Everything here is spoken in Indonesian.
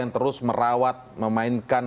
yang terus merawat memainkan